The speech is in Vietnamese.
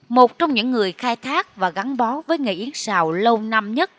một trong những người khai thác và gắn bó với nghề yến xào lâu năm nhất